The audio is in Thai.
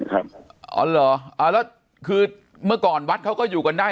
ครับอ๋อเหรออ่าแล้วคือเมื่อก่อนวัดเขาก็อยู่กันได้